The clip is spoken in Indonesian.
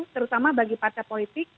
terus sama bagi partai politik